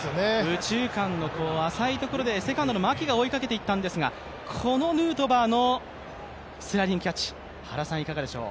右中間の浅い所でセカンドの牧が追いかけていったんですが、このヌートバーのスライディングキャッチ、原さん、いかがでしょう？